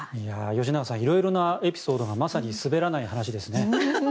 吉永さん色々なエピソードがまさに滑らない話ですね。